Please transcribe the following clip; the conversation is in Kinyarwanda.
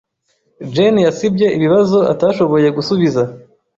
Jane yasibye ibibazo atashoboye gusubiza.